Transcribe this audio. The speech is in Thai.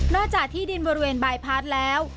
นอกจากที่ดินบริเวณบายพัฒน์แล้ว